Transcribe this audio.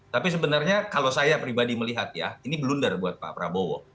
tapi sebenarnya kalau saya pribadi melihat ya ini blunder buat pak prabowo